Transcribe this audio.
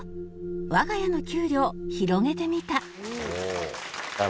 わが家の給料広げてみた